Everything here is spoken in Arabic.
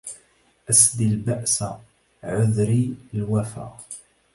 أسدي البأس عذري الوفا